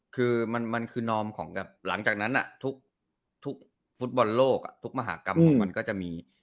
คือมันคือนอมของกับหลังจากนั้นทุกฟุตบอลโลกทุกมหากรรมของมันก็จะมี